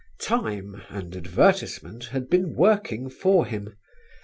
Time and advertisement had been working for him.